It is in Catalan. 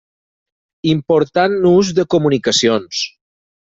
Important nus de comunicacions.